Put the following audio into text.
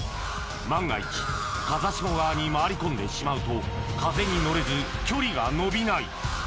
万が一風下側に回り込んでしまうと風に乗れず距離が伸びない